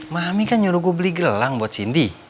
mami kan nyuruh gue beli gelang buat sindi